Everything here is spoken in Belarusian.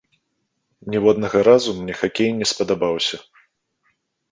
Ніводнага разу мне хакей не спадабаўся.